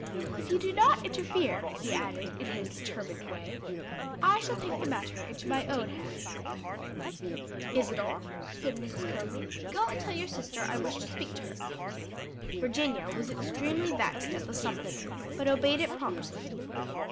If you do not interfere," he added in his determined way, "I shall take the matter into my own hands." "Isadore," said Mrs. Conly, "go and tell your sister I wish to speak to her." Virginia was extremely vexed at the summons, but obeyed it promptly.